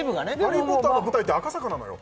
「ハリー・ポッター」の舞台って赤坂なのよ